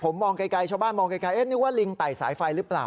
ผมมองไกลชาวบ้านมองไกลนึกว่าลิงไต่สายไฟหรือเปล่า